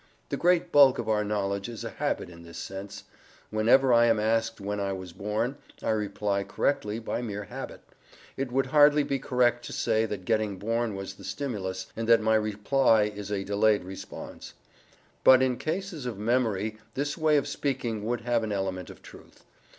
The great bulk of our knowledge is a habit in this sense: whenever I am asked when I was born, I reply correctly by mere habit. It would hardly be correct to say that getting born was the stimulus, and that my reply is a delayed response But in cases of memory this way of speaking would have an element of truth.